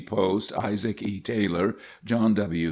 Post, Isaac E. Taylor, John W.